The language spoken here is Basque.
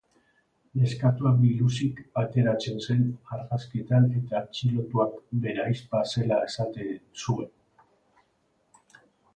Neskatoa biluzik ateratzen zen argazkietan eta atxilotuak bere ahizpa zela esaten zuen.